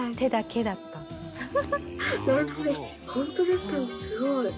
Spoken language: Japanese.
すごい！